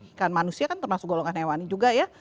ikan manusia kan termasuk golongan hewani juga ya